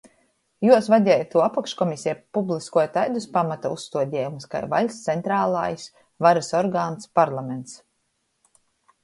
Juo vadeituo apakškomiseja publiskuoja taidus pamata uzstuodejumus kai vaļsts centralais varys organs parlaments